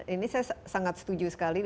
ini saya sangat setuju sekali